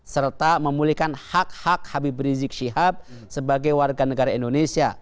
serta memulihkan hak hak habib rizik syihab sebagai warga negara indonesia